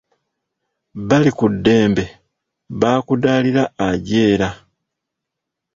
Balikuddembe, bakudaalira ajeera.